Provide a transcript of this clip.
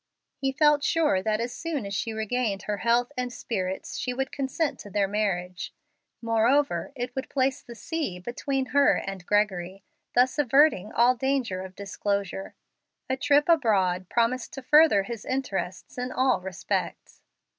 He felt sure that as soon as she regained her health and spirits she would consent to their marriage; moreover, it would place the sea between her and Gregory, thus averting all danger of disclosure. A trip abroad promised to further his interests in all respects.